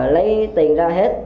lấy tiền ra hết